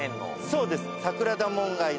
そうです。